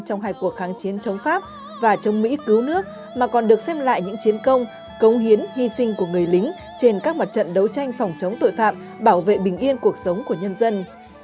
chiến chống pháp và chống mỹ cứu nước mà còn được xem lại những chiến công cống hiến hy sinh của người lính trên các mặt trận đấu tranh phòng chống tội phạm bảo vệ bình yên cuộc sống của nhân dân